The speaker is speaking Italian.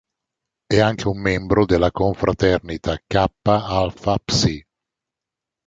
È anche un membro della confraternita Kappa Alpha Psi.